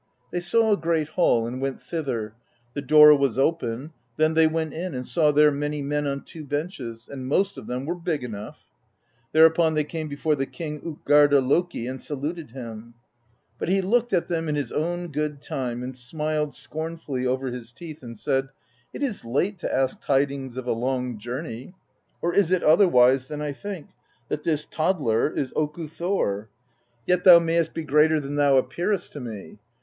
They saw a great hall and went thither; the door was open; then they went in, and saw there many men on two benches, and most of them were big enough. Thereupon they came before the king tJtgarda Loki and saluted him; but he looked at them in his own good time, and smiled scornfully over his teeth, and said: ^It is late to ask tidings of a long journey; or is it otherwise than I think: that this toddler is Oku Thor? Yet thou may 62 PROSE EDDA est be greater than thou appearest to me.